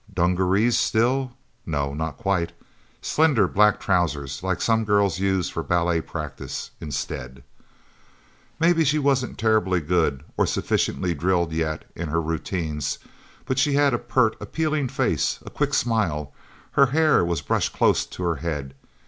Dungarees, still? No, not quite. Slender black trousers, like some girls use for ballet practice, instead. Maybe she wasn't terribly good, or sufficiently drilled, yet, in her routines. But she had a pert, appealing face, a quick smile; her hair was brushed close to her head.